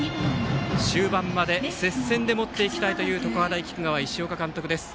終盤まで接戦で持っていきたいという常葉大菊川の石岡監督です。